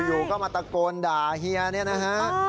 อยู่ก็มาตะโกนด่าเฮียเนี่ยนะฮะ